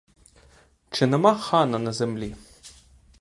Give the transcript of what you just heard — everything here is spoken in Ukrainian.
Чи нема хана на землі?